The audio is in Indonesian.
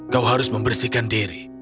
kau harus membersihkan diri